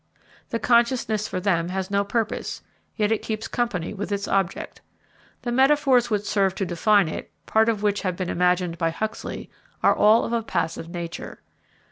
The consciousness for them has no purpose: yet it keeps company with its object. The metaphors which serve to define it, part of which have been imagined by Huxley, are all of a passive nature.